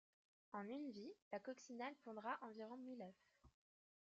En une vie, la coccinelle pondra environ mille œufs.